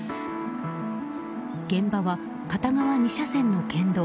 現場は片側２車線の県道。